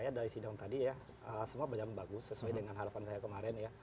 kalau review saya sidang tadi ya semua berlangsung bagus sesuai dengan harapan saya kemarin ya